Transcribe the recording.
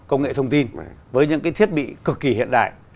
công nghệ thông tin với những cái thiết bị cực kỳ hiện đại